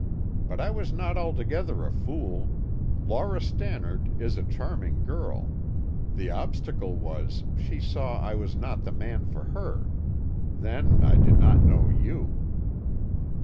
But I was not altogether a fool; Laura Stannard is a charming girl. The obstacle was, she saw I was not the man for her. Then I did not know you."